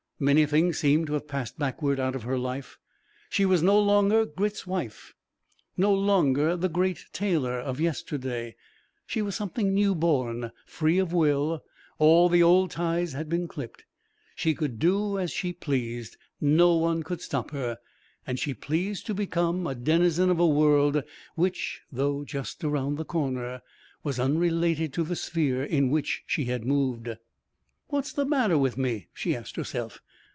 Many things seemed to have passed backward out of her life. She was no longer Grit's wife, no longer the Great Taylor of yesterday. She was something new born, free of will; all the old ties had been clipped. She could do as she pleased. No one could stop her. And she pleased to become a denizen of a world which, though just around the corner, was unrelated to the sphere in which she had moved. "What's the matter with me?" she asked herself.